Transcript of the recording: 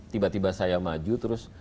tiba tiba saya maju terus